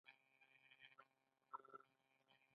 • وچ انګور ته مميز وايي.